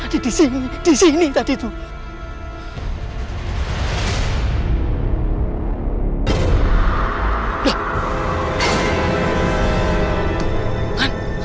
disini disini tadi tuh